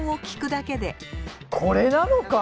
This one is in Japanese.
これなのか？